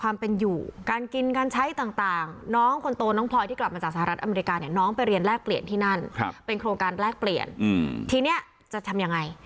มีโครงการแลกเปลี่ยนทีนี้จะทำยังไง